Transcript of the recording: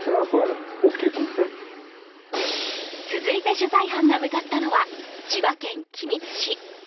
続いて取材班が向かったのは千葉県君津市。